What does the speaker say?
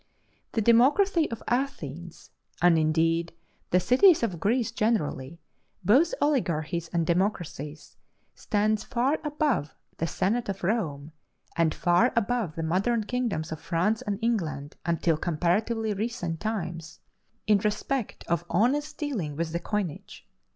The democracy of Athens and indeed the cities of Greece generally, both oligarchies and democracies stands far above the senate of Rome, and far above the modern kingdoms of France and England until comparatively recent times, in respect of honest dealing with the coinage.